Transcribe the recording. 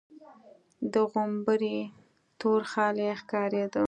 د غومبري تور خال يې ښکارېده.